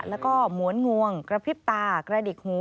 แล้วก็หมวนงวงกระพริบตากระดิกหู